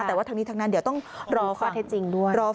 แต่ว่าทั้งนี้ทั้งนั้นเดี๋ยวต้องรอฟัง